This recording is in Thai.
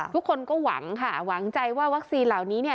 ทุกคนก็หวังค่ะหวังใจว่าวัคซีนเหล่านี้เนี่ย